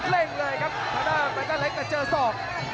เร่งเลยครับขนาดแบทเตอร์เล็กแต่เจอสอก